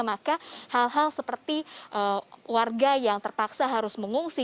maka hal hal seperti warga yang terpaksa harus mengungsi